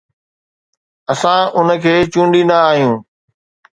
اسان ان کي چونڊيندا آهيون